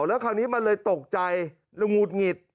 แล้วคราวนี้มันเลยตกใจแล้วหงุดหงิด